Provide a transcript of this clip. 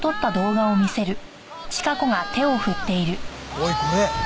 おいこれ！